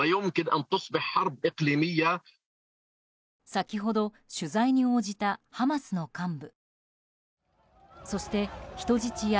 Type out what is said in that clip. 先ほど取材に応じたハマスの幹部。